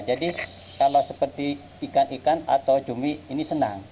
jadi kalau seperti ikan ikan atau cumi ini senang